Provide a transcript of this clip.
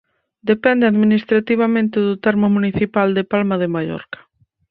Depende administrativamente do termo municipal de Palma de Mallorca.